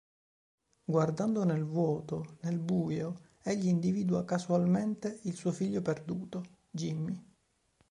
Guardando nel vuoto, nel buio, egli individua casualmente il suo figlio perduto, Jimmy.